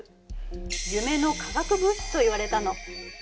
夢の化学物質といわれたの。